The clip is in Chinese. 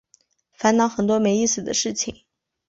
烦恼很多没意思的事情